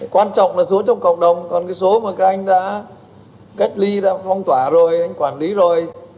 quan trọng là số trong cộng đồng còn cái số mà các anh đã cách ly đã phong tỏa rồi anh quản lý rồi